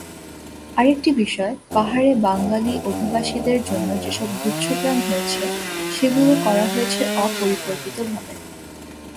আরেকটি বিষয়, পাহাড়ে বাঙালি অভিবাসীদের জন্য যেসব গুচ্ছগ্রাম হয়েছে, সেগুলো করা হয়েছে অপরিকল্পিতভাবে।